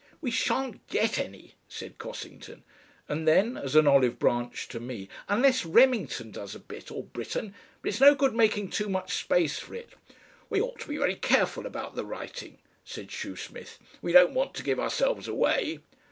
"We sha'n't get any," said Cossington, and then as an olive branch to me, "unless Remington does a bit. Or Britten. But it's no good making too much space for it." "We ought to be very careful about the writing," said Shoesmith. "We don't want to give ourselves away."